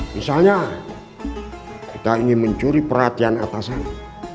misalnya kita ingin mencuri perhatian atasan